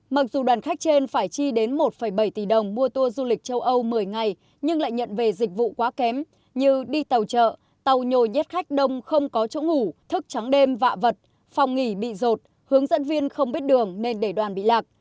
mặc dù đoàn khách trên phải chi đến một bảy tỷ đồng mua tour du lịch châu âu một mươi ngày nhưng lại nhận về dịch vụ quá kém như đi tàu chợ tàu nhồi nhét khách đông không có chỗ ngủ thức trắng đêm vạ vật phòng nghỉ bị rột hướng dẫn viên không biết đường nên để đoàn bị lạc